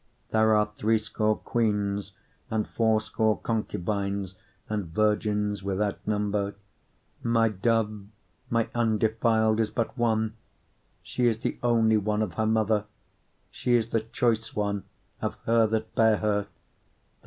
6:8 There are threescore queens, and fourscore concubines, and virgins without number. 6:9 My dove, my undefiled is but one; she is the only one of her mother, she is the choice one of her that bare her.